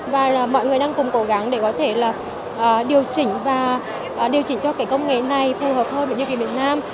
và mọi người đang cùng cố gắng để có thể là điều chỉnh và điều chỉnh cho công nghệ này phù hợp hơn với nhân kỳ việt nam